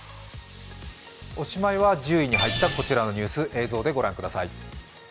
おしまいは１０位に入ったこちらのニュース、映像でご覧ください。